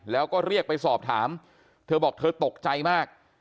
แล้วก็เรียกไปสอบถามเธอบอกเธอตกใจมาก